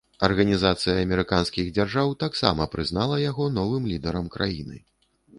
Арганізацыя амерыканскіх дзяржаў таксама прызнала яго новым лідарам краіны.